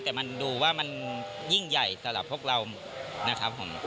แต่มันดูว่ามันยิ่งใหญ่สำหรับพวกเรานะครับผม